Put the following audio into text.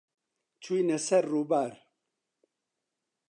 چووینە سەر ڕووبار.